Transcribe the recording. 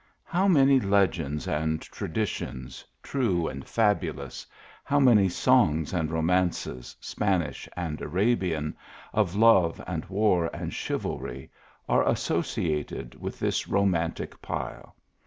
How many legend s land traditions, true and fabulous, how many songs and romances, Spanish and Ara bian, of love and war and chivalry, are associated with this romantic pile